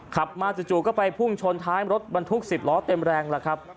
ขับมาจู่ก็ไปพุ่งชนท้ายรถบรรทุก๑๐ล้อเต็มแรงแล้วครับ